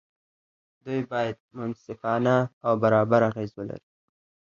دوی باید منصفانه او برابر اغېز ولري.